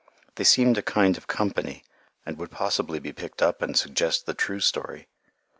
They seemed a kind of company, and would possibly be picked up and suggest the true story.